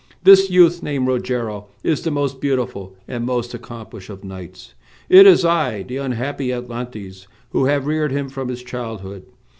"This youth, named Rogero, is the most beautiful and most accomplished of knights. It is I, the unhappy Atlantes, who have reared him from his childhood.